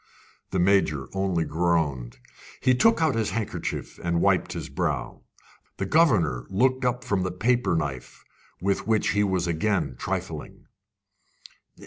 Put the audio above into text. The Major only groaned. He took out his handkerchief and wiped his brow. The governor looked up from the paper knife with which he was again trifling.